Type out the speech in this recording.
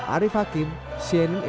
arief hakim cnn indonesia